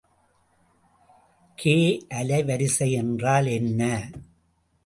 K அலைவரிசை என்றால் என்ன?